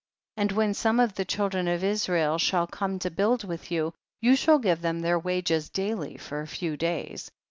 12. And when some of the chil dren of Israel shall come to build with you, you shall give them their wages daily for a few days.